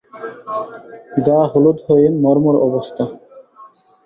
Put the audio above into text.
গা হলুদ হয়ে মরমর অবস্থা।